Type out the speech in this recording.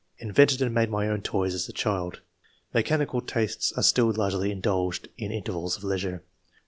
Invented and made my own toys as a child. Mechanical tastes are still largely indulged in intervals of leisure.''